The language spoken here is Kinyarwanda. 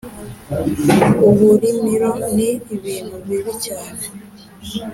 uburimiro ni ibintu bibi cyane